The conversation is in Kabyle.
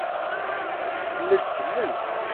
La d-sellent.